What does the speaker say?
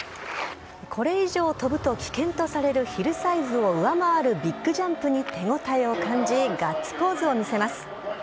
これ以上飛ぶと危険とされるヒルサイズを上回るビッグジャンプに手応えを感じ、ガッツポーズを見せます。